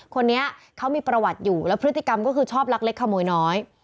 คนนี้เขามีประวัติอยู่แล้วพฤติกรรมก็คือชอบลักเล็กขโมยน้อย